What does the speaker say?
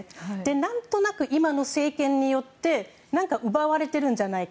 何となく今の政権によって奪われてるんじゃないか。